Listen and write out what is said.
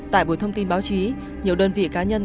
tại buổi thông tin báo chí nhiều đơn vị cá nhân